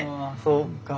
そっか。